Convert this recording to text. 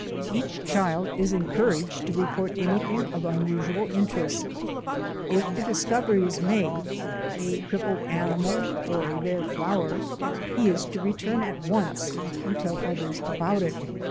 Each child is encouraged to report anything of unusual interest. If a discovery is made — a crippled animal or a rare flower — he is to return at once and tell others about it.